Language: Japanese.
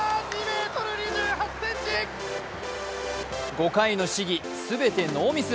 ５回の試技、全てノーミス。